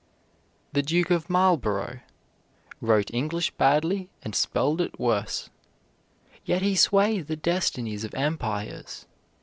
The Duke of Marlborough "wrote English badly and spelled it worse," yet he swayed the destinies of empires.